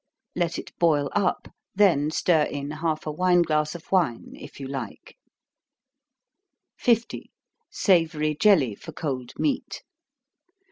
Let it boil up, then stir in half a wine glass of wine if you like. 50. _Savory Jelly for Cold Meat.